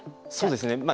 そうですね。